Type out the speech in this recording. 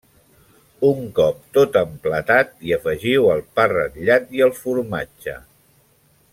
Un cop tot emplatat hi afegiu el pa ratllat i el formatge.